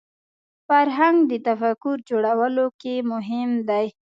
فرهنګ د تفکر جوړولو کې مهم دی